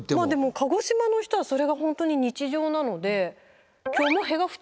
鹿児島の人はそれが本当に日常なのでみたいな。